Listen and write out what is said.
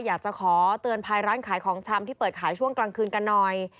อยากจะขอเตือนภัยร้านขายของชำที่เปิดขายช่วงกลางคืนกันหน่อย